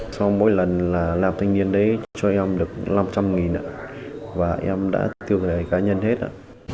sau mỗi lần là làm thanh niên đấy cho em được năm trăm linh nghìn ạ và em đã tiêu thụ cái này cá nhân hết ạ